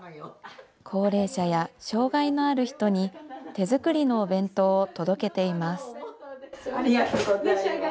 高齢者や障害のある人に手作りのお弁当を届けています。